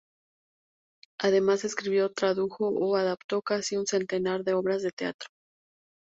Además, escribió, tradujo o adaptó casi un centenar de obras de teatro.